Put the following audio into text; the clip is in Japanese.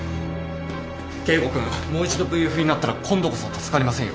圭吾君もう一度ＶＦになったら今度こそ助かりませんよ。